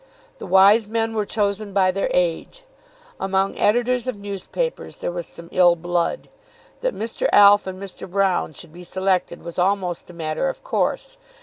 The wise men were chosen by their age. Among editors of newspapers there was some ill blood. That Mr. Alf and Mr. Broune should be selected was almost a matter of course.